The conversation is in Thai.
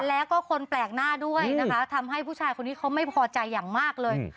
แล้วก็คนแปลกหน้าด้วยนะคะทำให้ผู้ชายคนนี้เขาไม่พอใจอย่างมากเลย